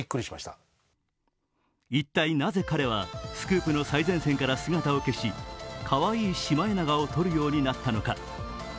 一体なぜ彼はスクープの最前線から姿を消し、かわいいシマエナガを撮るようになったのか。